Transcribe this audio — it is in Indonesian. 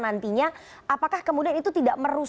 nantinya apakah kemudian itu tidak akan berhasil